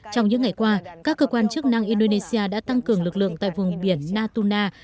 trong những ngày qua các cơ quan chức năng indonesia đã tăng cường lực lượng tại vùng biển natuna